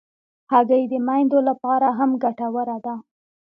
هګۍ د میندو لپاره هم ګټوره ده.